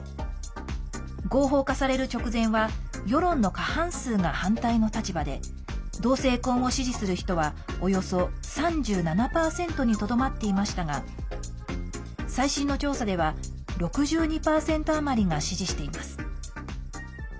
合法化される直前は世論の過半数が反対の立場で同性婚を支持する人はおよそ３７％にとどまっていましたが最新の調査では６２％余りが支持しています。